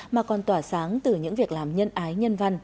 mà còn tỏa sáng từ những việc làm nhân ái nhân văn